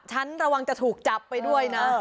ฉันระวังจะถูกจับไปด้วยนะ